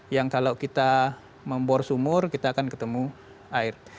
yang kalau kita membor sumur kita akan ketemu air